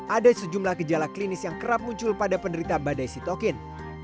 ada sejumlah gejala klinis yang kerap muncul pada penderita badai sitokin